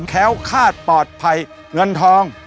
แค้วคาดปลอดภัยเงินทอง